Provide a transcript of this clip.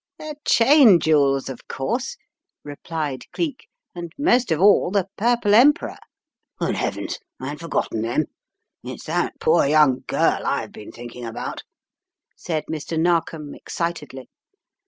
"The Cheyne jewels, of course," replied Cleek, "and most of all, the Turple Emperor* " "Good Heavens, I had forgotten them. It's that poor young girl I have been thinking about," said Mr. Narkom, excitedly.